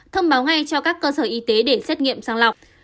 thông báo ngay cho các cơ sở y tế để xét nghiệm sang lọc